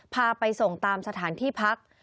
พาไปส่งตามสถานที่พัก